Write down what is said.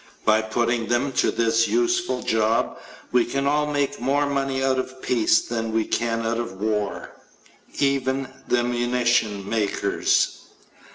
By putting them to this useful job, we can all make more money out of peace than we can out of war even the munitions makers.